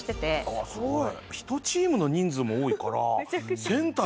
ああすごい！